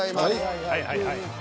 はいはいはい。